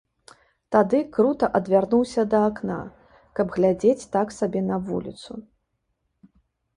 Тады крута адвярнуўся да акна, каб глядзець так сабе на вуліцу.